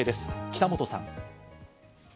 北本さん。